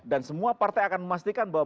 dan semua partai akan memastikan bahwa